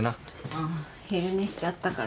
ああ昼寝しちゃったから。